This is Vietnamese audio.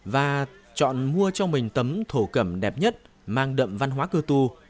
và chọn mua cho mình tấm thổ cẩm đẹp nhất mang đậm văn hóa cơ tu